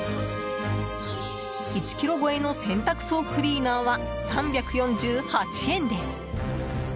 １ｋｇ超えの洗濯槽クリーナーは３４８円です。